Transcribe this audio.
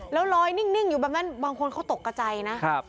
แล้วลอยนิ่งอยู่แบบนั้นบางคนเขาตกกระใจนะ